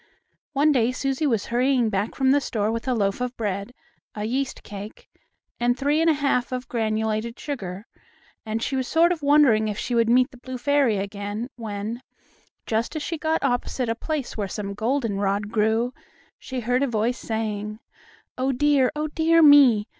One day Susie was hurrying back from the store with a loaf of bread, a yeast cake and three and a half of granulated sugar, and she was sort of wondering if she would meet the blue fairy again when, just as she got opposite a place where some goldenrod grew, she heard a voice saying: "Oh, dear! Oh, dear me!